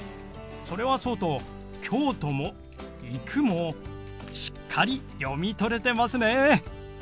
それはそうと「京都」も「行く」もしっかり読み取れてますね。